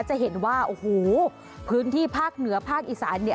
จะเห็นว่าโอ้โหพื้นที่ภาคเหนือภาคอีสานเนี่ย